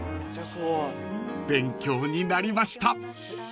［勉強になりました］